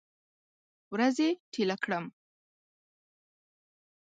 ورځې ټیله کړم